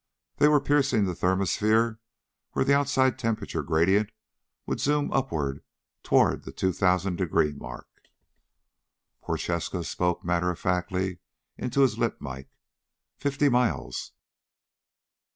They were piercing the thermosphere where the outside temperature gradient would zoom upward toward the 2,000 degree mark. Prochaska spoke matter of factly into his lip mike, "Fifty miles."